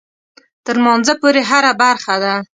تر لمانځه پورې هره برخه ده.